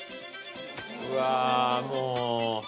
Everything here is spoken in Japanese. うわぁもう。